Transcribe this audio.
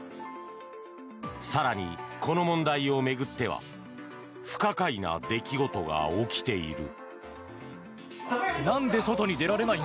更に、この問題を巡っては不可解な出来事が起きている。